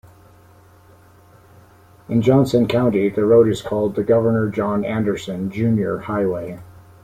In Johnson County, the road is called the Governor John Anderson, Junior Highway.